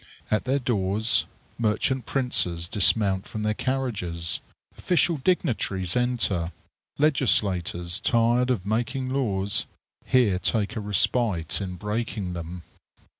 At their doors merchant princes dismount from their carriages; official dignitaries enter; legislators, tired of making laws, here take a respite in breaking them.